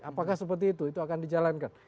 apakah seperti itu itu akan dijalankan